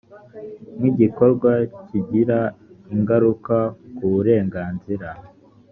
nk igikorwa kigira ingaruka ku burenganzira